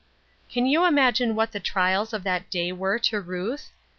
Can you imagine what the trials of that day were to Ruth?